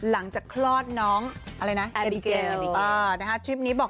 คุณจะไปเอ็ฟตรงไหน